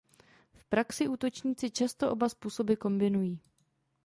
V praxi útočníci často oba způsoby kombinují.